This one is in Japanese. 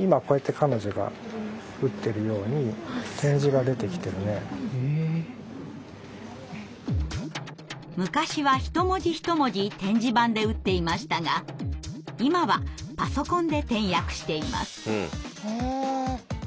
今こうやって彼女が打ってるように昔は一文字一文字点字盤で打っていましたが今はパソコンで点訳しています。